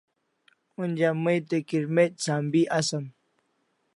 Onja mai te kirmec' sambi asam